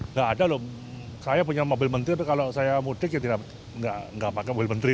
nggak ada loh saya punya mobil menteri kalau saya mudik ya tidak pakai mobil menteri